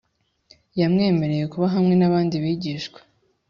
yamwemereye kuba hamwe n’abandi bigishwa